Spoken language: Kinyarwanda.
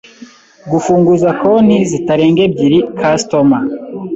gifunguza konti zitarenga ebyiri customer